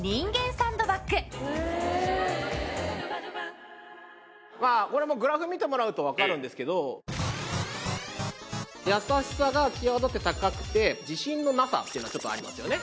サンドバッグこれもグラフ見てもらうと分かるんですけど優しさが際立って高くて自信のなさっていうのはちょっとありますよね